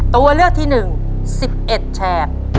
ตัวเลือกที่หนึ่ง๑๑แชก